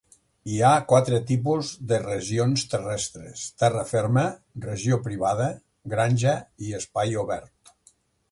Hi ha quatre tipus de regions terrestres: terra ferma, regió privada, granja i espai obert.